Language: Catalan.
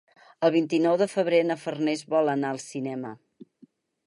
El vint-i-nou de febrer na Farners vol anar al cinema.